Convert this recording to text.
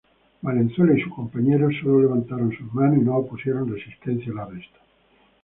Valenzuela y su compañero solo levantaron sus manos y no opusieron resistencia al arresto.